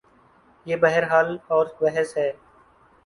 یہ بہرحال اور بحث ہے۔